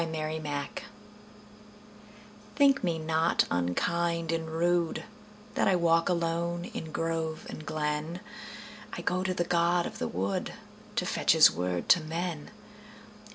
The Apology THINK me not unkind and rudeThat I walk alone in grove and glen;I go to the god of the woodTo fetch his word to men.